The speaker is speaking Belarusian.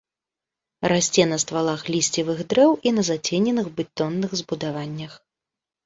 Расце на ствалах лісцевых дрэў і на зацененых бетонных збудаваннях.